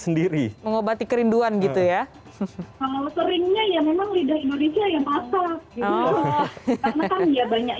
sendiri mengobati kerinduan gitu ya seringnya yang memang lidah indonesia yang masa banyak